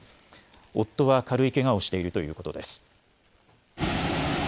夫は軽いけがをしているということです。